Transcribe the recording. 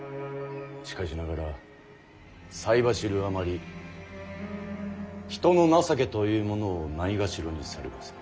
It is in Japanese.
しかしながら才走るあまり人の情けというものをないがしろにされます。